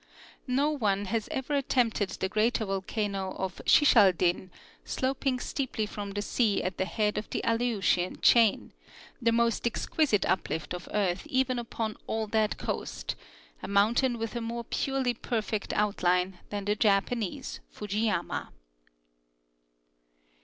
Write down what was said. No one has ever attemjjted the greater volcano of Shishaldin, sloping steeply from the sea at the head of the Aleutian chain, the most exquisite uplift of earth even upon all that coast, a mountain with a more purely perfect outline than the Japanese Fujiyama.